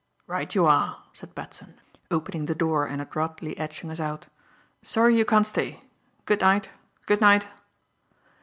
"Right you are," said Batson, opening the door and adroitly edging us out. "Sorry you can't stay. Good night! Good night!"